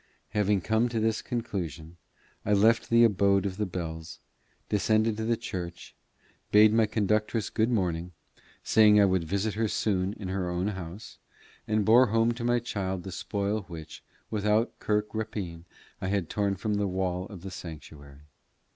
Having come to this conclusion, I left the abode of the bells, descended to the church, bade my conductress good morning, saying I would visit her soon in her own house, and bore home to my child the spoil which, without kirk rapine, I had torn from the wall of the sanctuary.